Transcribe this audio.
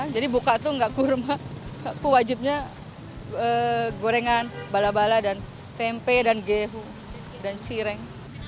jadi buka itu tidak kurma aku wajibnya gorengan bala bala dan tempe dan gehu dan cireng